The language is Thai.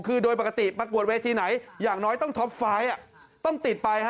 คือโดยปกติประกวดเวทีไหนอย่างน้อยต้องท็อปไฟต์ต้องติดไป